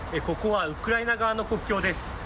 ここはウクライナ側の国境です。